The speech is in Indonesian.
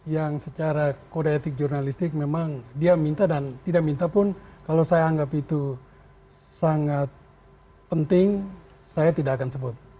yang secara kode etik jurnalistik memang dia minta dan tidak minta pun kalau saya anggap itu sangat penting saya tidak akan sebut